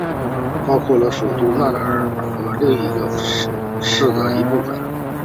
包括了首都麦纳麦和另一个市的一部份。